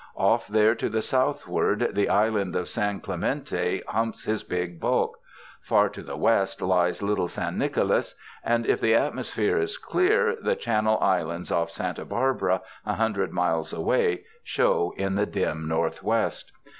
Off there to the southward the island of San Clem ente humps his big bulk; far to the west lies little San Nicolas, and if the atmosphere is clear, the Channel Islands off Santa Barbara, a hundred miles away, show in the dim northwest.